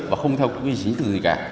và không theo quy trình gì cả